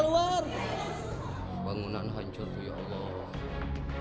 allah astagfirullah astagfirullah keluar ayo gerak keluar bangunan hancur ya allah